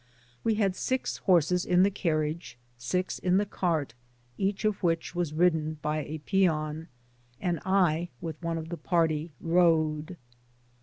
We^had six horses in the carriage, six in the cart, each of which was ridden by a peon, and I, with pne of the party, rode.